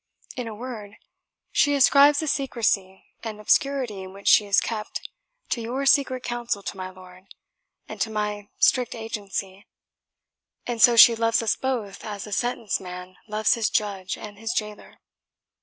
In a word, she ascribes the secrecy and obscurity in which she is kept to your secret counsel to my lord, and to my strict agency; and so she loves us both as a sentenced man loves his judge and his jailor."